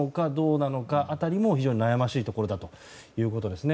その辺りも非常に悩ましいところだということですね。